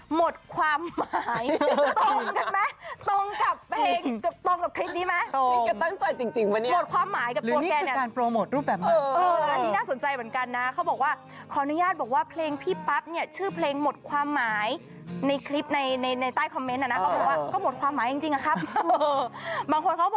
หมดความหมายตรงกันไหมตรงกับเพลงตรงกับคลิปนี้ไหม